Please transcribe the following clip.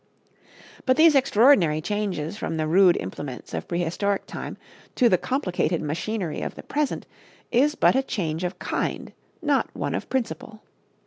But these extraordinary changes from the rude implements of prehistoric time to the complicated machinery of the present is but a change of kind, not one of principle.